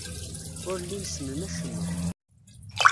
Ur llin ssnen acemma.